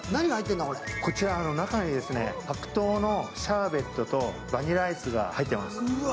こちら、中に白桃のシャーベットと、バニラアイスが入っています。